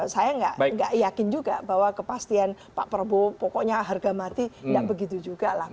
saya nggak yakin juga bahwa kepastian pak prabowo pokoknya harga mati nggak begitu juga lah